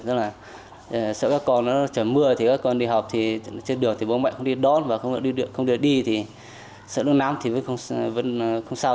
rất là sợ các con trở mưa thì các con đi học trên đường thì bố mẹ không đi đón và không được đi thì sợ nước nam thì vẫn không sao